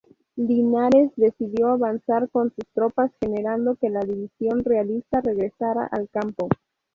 Linares decidió avanzar con sus tropas generando que la división realista regresara al campo.